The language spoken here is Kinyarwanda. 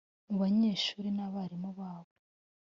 mu banyeshuri n’abarimu babo